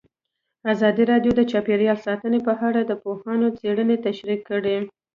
ازادي راډیو د چاپیریال ساتنه په اړه د پوهانو څېړنې تشریح کړې.